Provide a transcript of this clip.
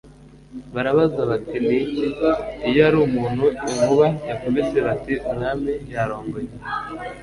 Barabaza bati Ni iki? Iyo ari umuntu inkuba yakubise bati Umwami yarongoye